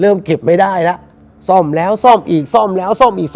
เก็บไม่ได้แล้วซ่อมแล้วซ่อมอีกซ่อมแล้วซ่อมอีก